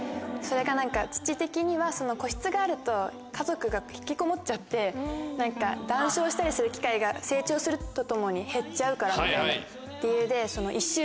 それが父的には個室があると家族が引きこもっちゃって談笑したりする機会が成長するとともに減っちゃうからみたいな理由で。